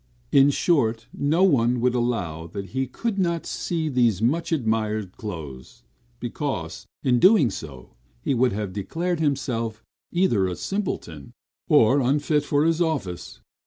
in short, no one would allow that he could not see these much admired clothes; because, in doing so, he would have declared himself either a simpleton or unfit for his office.